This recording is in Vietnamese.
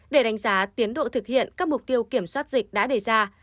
để đánh giá tiến độ thực hiện các mục tiêu kiểm soát dịch đã đề ra